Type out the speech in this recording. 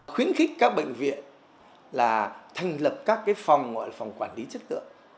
khuyến khích các bệnh viện là thành lập các phòng gọi là phòng quản lý chất lượng